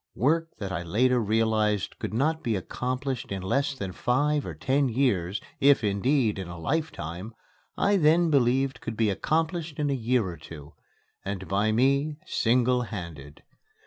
Work that I later realized could not be accomplished in less than five or ten years, if, indeed, in a lifetime, I then believed could be accomplished in a year or two, and by me single handed.